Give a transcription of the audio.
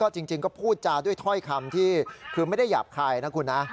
จริงก็พูดจาด้วยถ้อยคำที่คือไม่ได้หยาบคายนะคุณนะ